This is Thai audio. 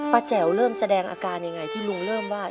แจ๋วเริ่มแสดงอาการยังไงที่ลุงเริ่มว่า